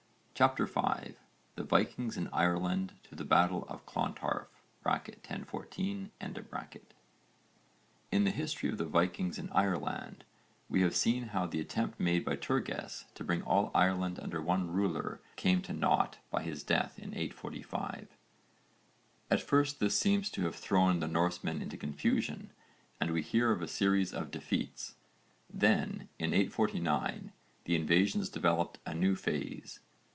CHAPTER V THE VIKINGS IN IRELAND TO THE BATTLE OF CLONTARF (1014) In the history of the Vikings in Ireland we have seen how the attempt made by Turges to bring all Ireland under one ruler came to nought by his death in 845. At first this seems to have thrown the Norsemen into confusion and we hear of a series of defeats. Then, in 849, the invasions developed a new phase.